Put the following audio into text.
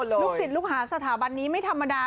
ลูกศิษย์ลูกหาสถาบันนี้ไม่ธรรมดา